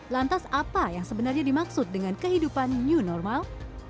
lantas apa yang sebenarnya dimaksud dengan kehidupan new normal